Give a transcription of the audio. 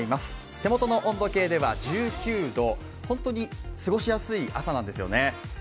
手元の温度計では１９度、ホントに過ごしやすい朝なんですよね。